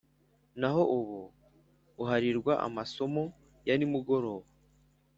naho ubu uharirwa amasomo ya nimugoroba